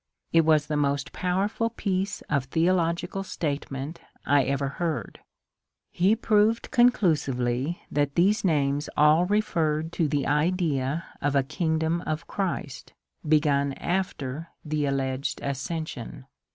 It was the most powerful piece of theological statement I ever heard. He proved conclusively that these names all referred to the idea of a kingdom of Christ, begun after the alleged ascension.